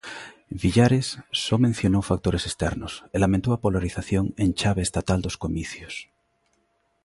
Villares só mencionou factores externos e lamentou a polarización en chave estatal dos comicios.